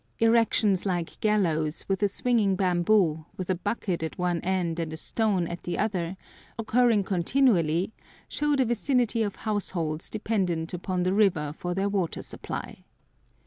Erections like gallows, with a swinging bamboo, with a bucket at one end and a stone at the other, occurring continually, show the vicinity of households dependent upon the river for their water supply.